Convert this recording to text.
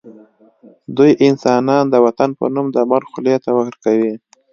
دوی انسانان د وطن په نوم د مرګ خولې ته ورکوي